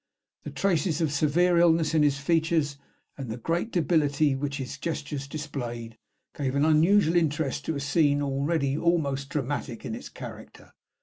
The traces of severe illness in his features, and the great debility which his gestures displayed, gave an unusual interest to a scene already almost dramatic in its character.